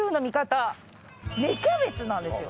芽キャベツなんですよ。